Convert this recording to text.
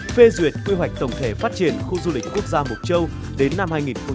phê duyệt quy hoạch tổng thể phát triển khu du lịch quốc gia mộc châu đến năm hai nghìn ba mươi